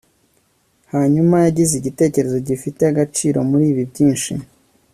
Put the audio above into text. Hanyuma yagize igitekerezo gifite agaciro muribi byinshi